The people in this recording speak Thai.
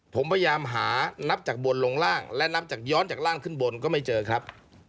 ผมพยายามหานับจากบนลงล่างและนับจากย้อนจากร่างขึ้นบนก็ไม่เจอครับ